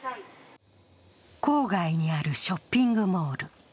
郊外にあるショッピングモール。